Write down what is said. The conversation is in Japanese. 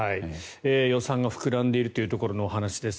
予算が膨らんでいるというところのお話です。